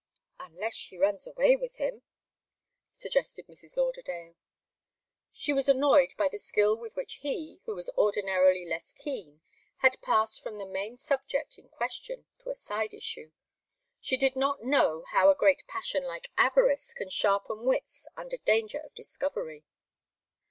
"Unless she runs away with him," suggested Mrs. Lauderdale. She was annoyed by the skill with which he, who was ordinarily less keen, had passed from the main subject in question to a side issue. She did not know how a great passion like avarice can sharpen wits under danger of discovery.